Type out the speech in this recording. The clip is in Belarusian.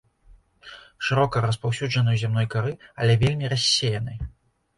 Шырока распаўсюджаны ў зямной кары, але вельмі рассеяны.